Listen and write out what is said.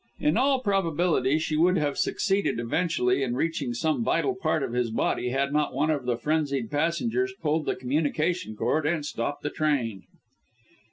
In all probability, she would have succeeded, eventually, in reaching some vital part of his body, had not one of the frenzied passengers pulled the communication cord and stopped the train!